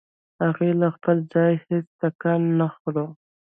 هغې له خپل ځايه هېڅ ټکان نه خوړ.